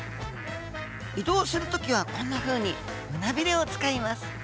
移動するときはこんなふうに胸びれを使います。